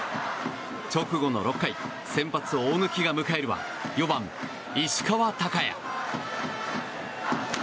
直後の６回先発、大貫が迎えるは４番、石川昂弥。